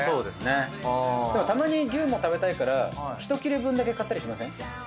でもたまに牛も食べたいからひと切れ分だけ買ったりしません？